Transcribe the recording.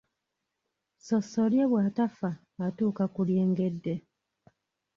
Ssossolye bw’atafa atuuka ku lyengedde.